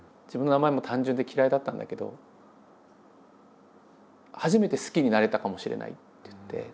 「自分の名前も単純で嫌いだったんだけど初めて好きになれたかもしれない」って言って。